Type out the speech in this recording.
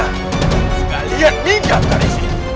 kalian meninggalkan kami